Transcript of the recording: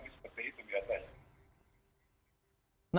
seperti itu biasanya